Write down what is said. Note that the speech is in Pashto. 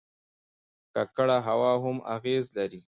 ککړه هوا هم اغېز لري.